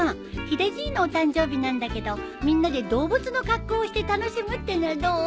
ヒデじいのお誕生日なんだけどみんなで動物の格好をして楽しむっていうのはどう？